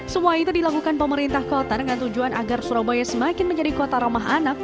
semua itu dilakukan pemerintah kota dengan tujuan agar surabaya semakin menjadi kota ramah anak